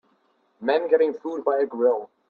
men getting food by a grill